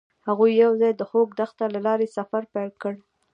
هغوی یوځای د خوږ دښته له لارې سفر پیل کړ.